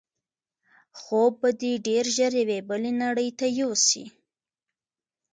خوب به دی ډېر ژر یوې بلې نړۍ ته یوسي.